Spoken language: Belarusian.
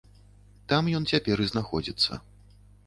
Там ён цяпер і знаходзіцца.